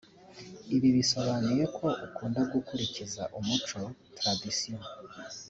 Ibi bisobanuye ko ukunda gukurikiza umuco (tradition)